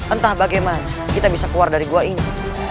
entah bagaimana kita bisa keluar dari gua ini